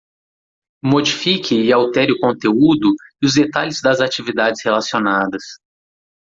Modifique e altere o conteúdo e os detalhes das atividades relacionadas